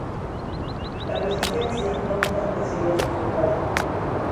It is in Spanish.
La resistencia, no obstante, sería sofocada.